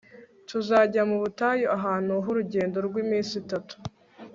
tuzajya mu butayu ahantu h urugendo rw iminsi itatu